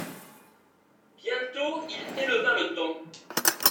Bientôt il éleva le ton.